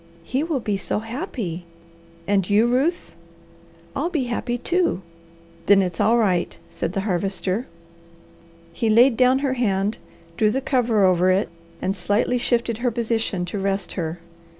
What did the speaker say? "He will be so happy!" "And you, Ruth?" "I'll be happy too!" "Then it's all right," said the Harvester. He laid down her hand, drew the cover over it, and slightly shifted her position to rest her.